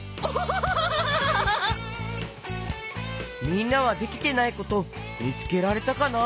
みんなはできてないことみつけられたかな？